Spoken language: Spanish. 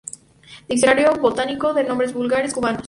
Diccionario botánico de nombres vulgares cubanos.